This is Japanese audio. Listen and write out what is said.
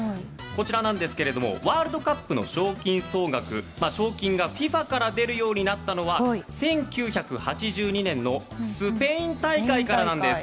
こちらなんですがワールドカップの賞金総額賞金がＦＩＦＡから出るようになったのは１９８２年のスペイン大会からなんです。